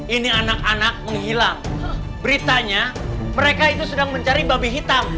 ini anak anak menghilang beritanya mereka itu sedang mencari babi hitam